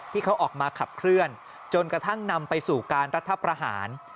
ที่เขาออกมาขับเคลื่อนจนกระทั่งนำไปสู่การรัฐประหาร